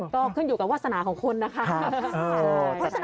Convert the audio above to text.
ก็ขึ้นอยู่กับวาสนาของคุณนะคะ